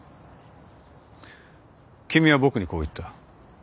君は僕にこう言った。